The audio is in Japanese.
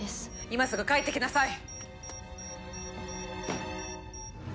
今すぐ帰ってきなさい！